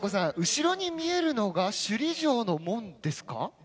後ろに見えるのが首里城の門ですか？